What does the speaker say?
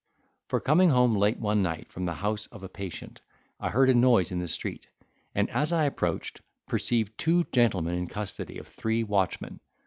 For coming home late one night from the house of a patient, I heard a noise in the street, and as I approached, perceived two gentlemen in custody, of three watchmen.